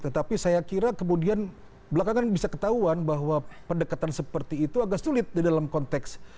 tetapi saya kira kemudian belakangan bisa ketahuan bahwa pendekatan seperti itu agak sulit di dalam konteks